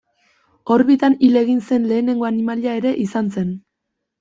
Orbitan hil egin zen lehenengo animalia ere izan zen.